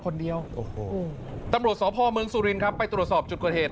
คนเดียวตำรวจสอบภอมเมืองสุรินครับไปตรวจสอบจุดกฎเหตุ